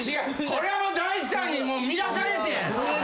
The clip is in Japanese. これは大地さんに乱されてん！